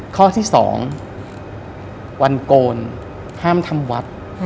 ข้อที่๒วันโกนห้ามทำวัด